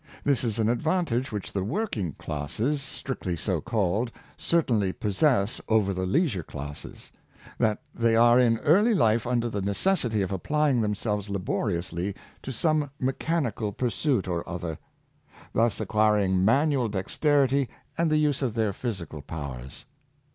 This is an advan tage which the working classes, strictly so called, cer tainly possess over the leisure classes — that they are in early life under the necessity of applying themselves laboriously to some mechanical pursuit or other — thus acquiring manual dexterity and the use of their physi cal powers.